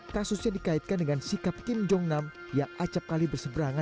kasusnya dikaitkan dengan sikap kim jong nam yang acapkali berseberangan